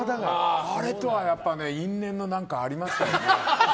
あれとは因縁のがありましたよね。